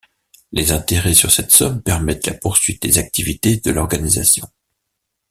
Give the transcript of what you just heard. Les intérêt sur cette somme permettent la poursuite des activités de l'organisation.